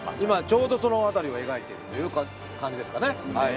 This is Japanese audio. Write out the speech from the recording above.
今、ちょうどその辺りを描いている感じですね。